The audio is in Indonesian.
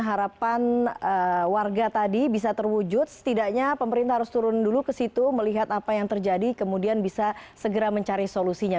harapan warga tadi bisa terwujud setidaknya pemerintah harus turun dulu ke situ melihat apa yang terjadi kemudian bisa segera mencari solusinya